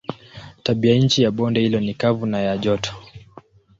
Tabianchi ya bonde hilo ni kavu na ya joto.